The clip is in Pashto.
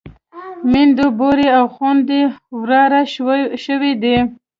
ميندې بورې او خويندې ورارې شوې وې.